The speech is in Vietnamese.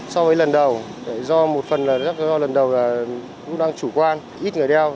so với lần đầu do một phần là lần đầu cũng đang chủ quan ít người đeo